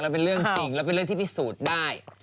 เป็นเรื่องจริงแล้วเป็นเรื่องที่พิสูจน์ได้